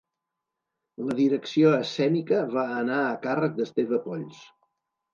La direcció escènica va anar a càrrec d'Esteve Polls.